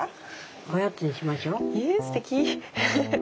おやつにしましょ。えすてき！